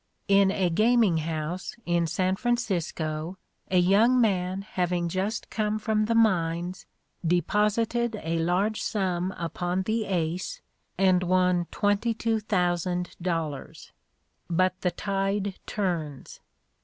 In a gaming house in San Francisco, a young man having just come from the mines deposited a large sum upon the ace, and won twenty two thousand dollars. But the tide turns.